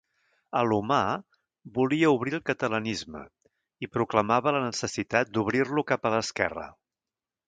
Alomar volia obrir el catalanisme i proclamava la necessitat d'obrir-lo cap a l'esquerra.